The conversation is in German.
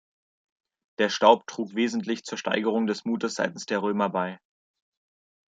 Der Staub trug wesentlich zur Steigerung des Mutes seitens der Römer bei.